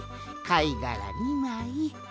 かいがら２まい。